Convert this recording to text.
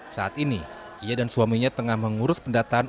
saat ini ia dan suaminya tengah mengurus pendataan